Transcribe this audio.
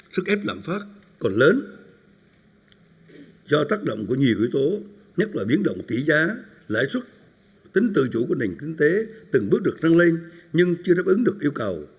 sức ép lạm phát còn lớn do tác động của nhiều yếu tố nhất là biến động tỷ giá lãi xuất tính tự chủ của nền kinh tế từng bước được răng lên nhưng chưa đáp ứng được yêu cầu